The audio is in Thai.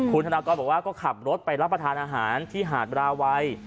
คุณธนากรบอกว่าก็ขับรถไปรับประทานอาหารที่หาดราวัย